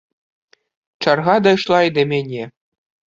Чарга дайшла і да мяне.